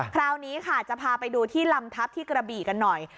คราวนี้ค่ะจะพาไปดูที่ลำทัพที่กระบี่กันหน่อย